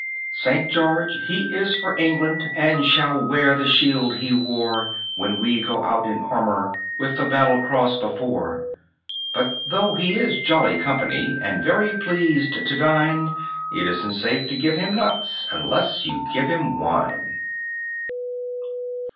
St. George he is for England, And shall wear the shield he wore When we go out in armour With the battle cross before. But though he is jolly company And very pleased to dine, It isn't safe to give him nuts Unless you give him wine.